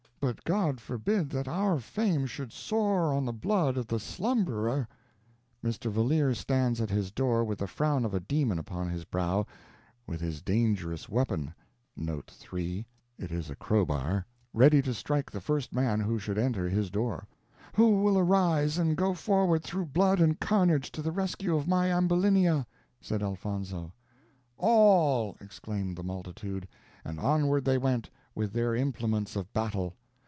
But God forbid that our fame should soar on the blood of the slumberer." Mr. Valeer stands at his door with the frown of a demon upon his brow, with his dangerous weapon (3) ready to strike the first man who should enter his door. "Who will arise and go forward through blood and carnage to the rescue of my Ambulinia?" said Elfonzo. "All," exclaimed the multitude; and onward they went, with their implements of battle.